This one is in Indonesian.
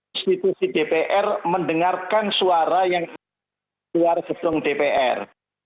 institusi dpr mendengarkan suara yang luar sejauh dpr